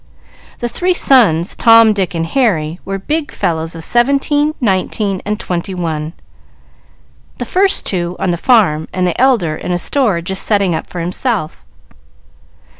The three sons Tom, Dick, and Harry were big fellows of seventeen, nineteen, and twenty one; the first two on the farm, and the elder in a store just setting up for himself.